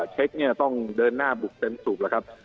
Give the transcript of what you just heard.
เช็คเนี่ยต้องเดินหน้าบุกเต็มสูบแล้วครับ